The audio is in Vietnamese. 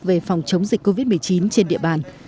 về phòng chống dịch covid một mươi chín trên địa bàn